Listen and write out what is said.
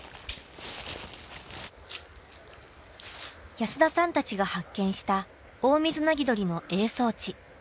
安田さんたちが発見したオオミズナギドリの営巣地。